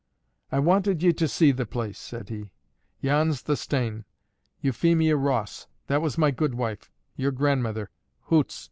"I wanted ye to see the place," said he. "Yon's the stane. Euphemia Ross: that was my goodwife, your grandmither hoots!